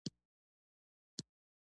ژوند د هيلو پيل دی.